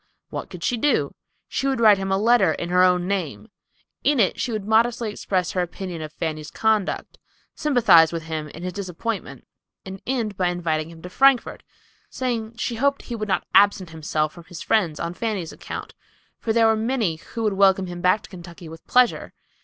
What could she do? She would write him a letter in her own name. In it she would modestly express her opinion of Fanny's conduct; sympathize with him in his disappointment, and end by inviting him to Frankfort, saying she hoped he would not absent himself from his friends on Fanny's account; for there were many who would welcome him back to Kentucky with pleasure.